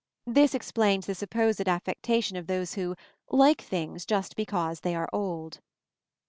This explains the supposed affectation of those who "like things just because they are old."